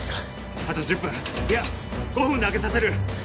あと１０分いや５分で開けさせる！